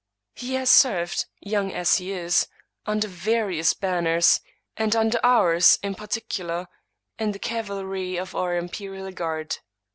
He has served, young as he is, under various banners, and under ours, in particular, in the cav alry of our imperial guard.